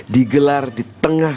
di gelir tempat